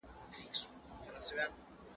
که چېرې له پېړیو او نسلونو تېرې شي؛